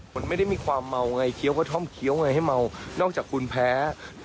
มันไม่ได้มีความเมาไงเคี้ยวกระท่อมเคี้ยวไงให้เมานอกจากคุณแพ้